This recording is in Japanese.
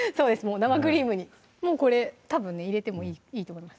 生クリームにもうこれたぶんね入れてもいいと思います